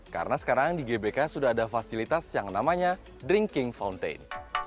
karena sekarang di gbk sudah ada fasilitas yang namanya drinking fountain